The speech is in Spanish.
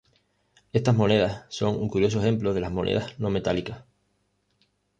Estas monedas son un curioso ejemplo de monedas no metálicas.